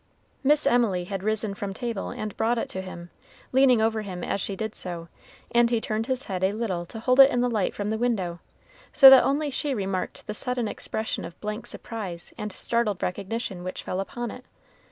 Miss Emily had risen from table and brought it to him, leaning over him as she did so, and he turned his head a little to hold it in the light from the window, so that only she remarked the sudden expression of blank surprise and startled recognition which fell upon it.